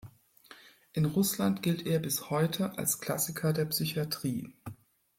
In Russland gilt er bis heute als Klassiker der Psychiatrie.